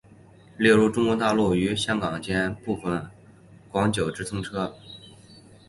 例如中国大陆与香港间部分广九直通车。